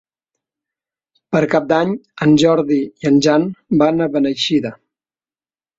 Per Cap d'Any en Jordi i en Jan van a Beneixida.